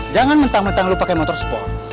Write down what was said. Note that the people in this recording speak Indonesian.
jangan mentang mentang lo pake motor sport